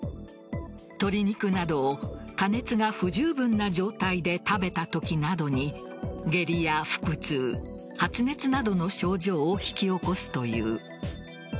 鶏肉などを加熱が不十分な状態で食べたときなどに下痢や腹痛、発熱などの症状を引き起こすという。